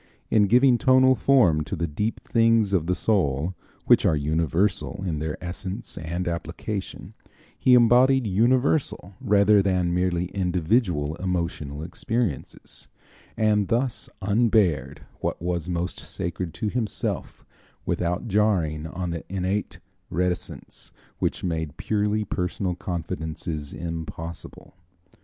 In giving tonal form to the deep things of the soul, which are universal in their essence and application, he embodied universal rather than merely individual emotional experiences, and thus unbared what was most sacred to himself without jarring on the innate reticence which made purely personal confidences impossible.